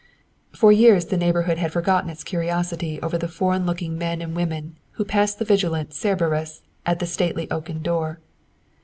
For years the neighborhood had forgotten its curiosity over the foreign looking men and women who passed the vigilant Cerberus at the stately oaken door.